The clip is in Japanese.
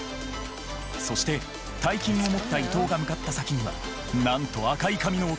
そして大金を持った伊藤が向かった先にはなんと赤い髪の男